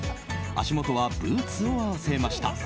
足元はブーツを合わせました。